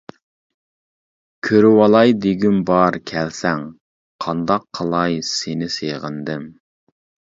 كۆرۈۋالاي دېگۈم بار كەلسەڭ، قانداق قىلاي سېنى سېغىندىم.